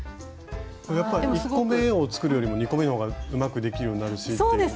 やっぱり１個目を作るよりも２個目の方がうまくできるようになるしっていう。